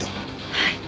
はい。